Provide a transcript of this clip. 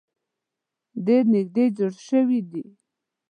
ډیر نیږدې جوړ شوي دي.